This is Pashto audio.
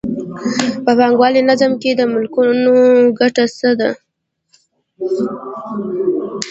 په پانګوالي نظام کې د مالکانو ګټه څه ده